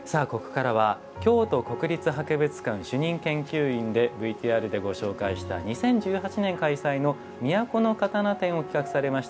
京都国立博物館主任研究員でＶＴＲでご紹介した２０１８年に開催された「京のかたな」展を企画されました